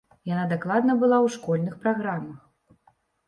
Яна дакладна была ў школьных праграмах.